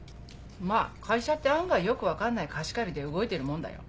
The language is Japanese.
まぁ会社って案外よく分かんない貸し借りで動いてるもんだよ。